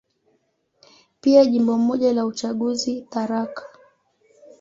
Pia Jimbo moja la uchaguzi, Tharaka.